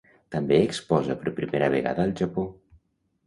També exposa per primera vegada al Japó.